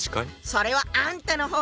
それはあんたの方ね。